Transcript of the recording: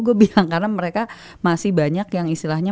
gue bilang karena mereka masih banyak yang istilahnya